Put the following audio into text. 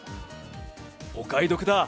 お買い得だ。